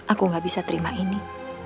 aku gak bisa terima ini